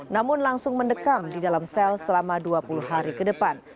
namun langsung mendekam di dalam sel selama dua puluh hari ke depan